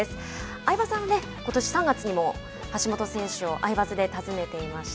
相葉さんは、ことし３月にも橋本選手を「アイバズ」で訪ねていました。